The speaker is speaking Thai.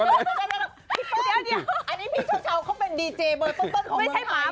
อันนี้พี่เช้าเขาเป็นดีเจเบอร์ต้นของเมืองไทยนะ